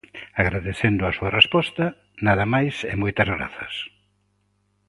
Agradecendo a súa resposta, nada máis e moitas grazas.